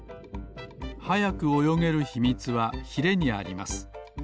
はやくおよげるひみつはヒレにあります。